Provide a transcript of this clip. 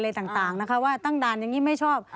อะไรต่างว่าตั้งด่านยังไงไม่ชอบ